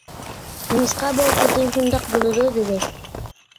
نېمىشقا بۇ قېتىم شۇنداق بولىدۇ؟ دېدى.